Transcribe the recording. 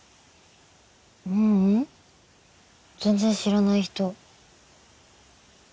ううん全然知らない人。